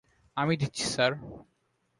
আমি দিচ্ছি, স্যার।